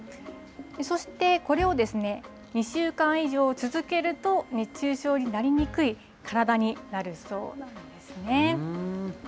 そして、これを２週間以上続けると、熱中症になりにくい体になるそうなんですね。